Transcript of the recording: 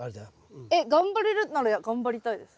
えっ頑張れるなら頑張りたいです。